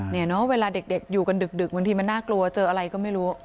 เวลาเด็กอยู่กันดึกบางทีมันน่ากลัวเจออะไรก็ไม่รู้